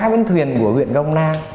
bến thuyền của huyện công na